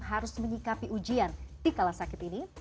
harus menyikapi ujian di kala sakit ini